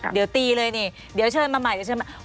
เดี๋ยวตีเลยนี่เดี๋ยวเชิญมาใหม่เดี๋ยวเชิญมา